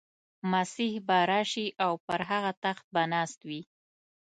مسیح به راشي او پر هغه تخت به ناست وي.